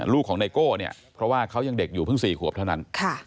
ลูกของไนโก้เนี่ยเพราะว่าเขายังเด็กอยู่เพิ่ง๔ขวบเท่านั้น